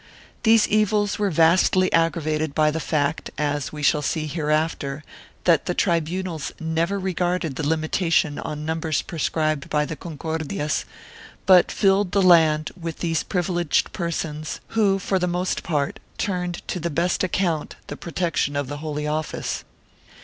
These evils were vastly aggravated by the fact, as we shall see hereafter, that the tribunals never re garded the limitation on numbers prescribed by the Concordias, but filled the land with these privileged persons who, for the most part, turned to the best account the protection of the Holy Office.